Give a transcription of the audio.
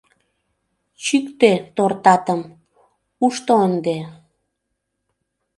— Чӱктӧ тортатым, ушто ынде.